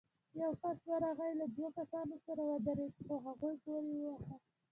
يو کس ورغی، له دوو کسانو سره ودرېد، خو هغوی پورې واهه.